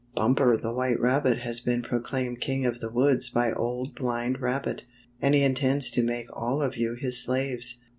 Bumper the White Rabbit has been proclaimed king of the woods by Old Blind Rabbit, and he intends to make all of you his slaves."